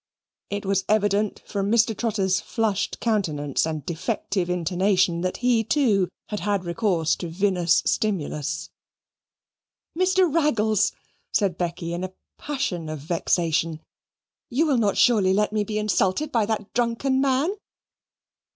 It was evident, from Mr. Trotter's flushed countenance and defective intonation, that he, too, had had recourse to vinous stimulus. "Mr. Raggles," said Becky in a passion of vexation, "you will not surely let me be insulted by that drunken man?"